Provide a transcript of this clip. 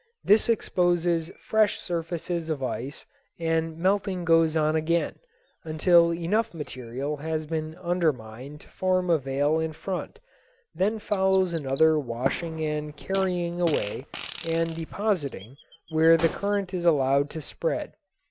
This exposes fresh surfaces of ice and melting goes on again, until enough material has been undermined to form a veil in front; then follows another washing and carrying away and depositing where the current is allowed to spread.